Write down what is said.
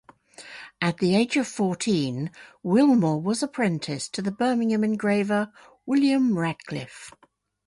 At the age of fourteen Willmore was apprenticed to the Birmingham engraver William Radclyffe.